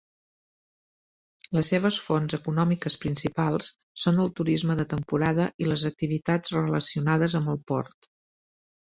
Les seves fonts econòmiques principals són el turisme de temporada i les activitats relacionades amb el port.